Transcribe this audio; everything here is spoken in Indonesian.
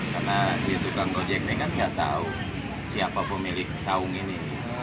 karena si tukang gojek ini kan tidak tahu siapa pemilik saung ini